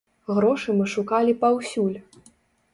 Грошы мы шукалі паўсюль.